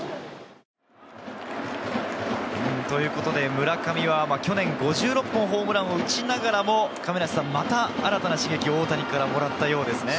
村上は去年５６本ホームランを打ちながらも、また新たな刺激を大谷からもらったようですね。